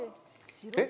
えっ？